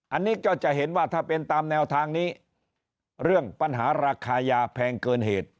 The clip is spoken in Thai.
อันนี้ก็จะเห็นว่าถ้าเป็นตามแนวทางนี้เรื่องปัญหาราคายาแพงเกินเหตุ